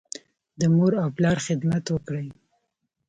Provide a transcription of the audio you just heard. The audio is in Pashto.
د مور او پلار خدمت وکړئ.